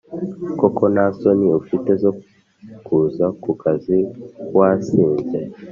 koko nta soni ufite zo kuza ku kazi wasinze?